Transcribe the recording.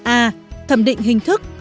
a thẩm định hình thức